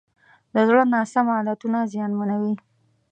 د زړه ناسم عادتونه زیانمنوي.